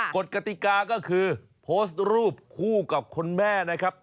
กฎกติกาก็คือโพสต์รูปคู่กับคุณแม่นะครับ